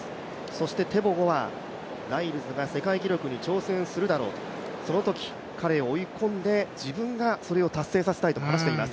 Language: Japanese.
そしてテボゴはライルズが世界記録に挑戦するだろうと、そのとき彼を追い込んで自分がそれを達成させたいと話しています。